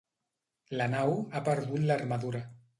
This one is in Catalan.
La nau ha perdut l'armadura.